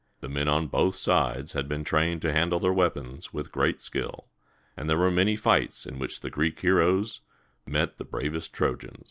The men on both sides had been trained to handle their weapons with great skill, and there were many fights in which the Greek heroes met the bravest Trojans.